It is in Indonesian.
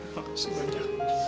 terima kasih banyak